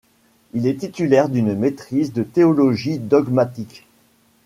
Il est titulaire d'une maîtrise de théologie dogmatique.